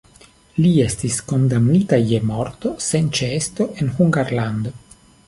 Li estis kondamnita je morto sen ĉeesto en Hungarlando.